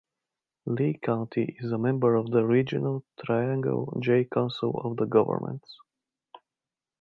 Lee County is a member of the regional Triangle J Council of Governments.